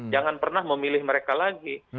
jangan pernah memilih mereka lagi